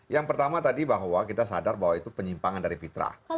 yang pertama tadi bahwa kita sadar bahwa itu penyimpangan dari fitrah